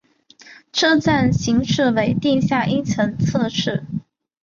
车站型式为地下一层侧式。